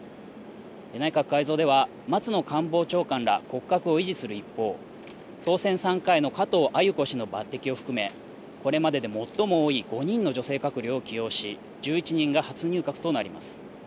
内閣改造では松野官房長官ら骨格を維持する一方、当選３回の加藤鮎子氏の抜てきを含め、これまでで最も多い５人の女性閣僚を起用し１１人が初入閣となります。